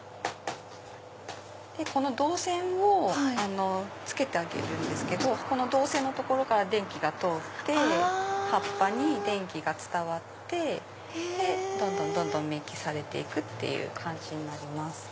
この導線を付けてあげるんですけど導線の所から電気が通って葉っぱに電気が伝わってどんどんメッキされて行くっていう感じになります。